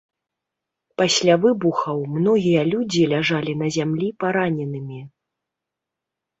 Пасля выбухаў многія людзі ляжалі на зямлі параненымі.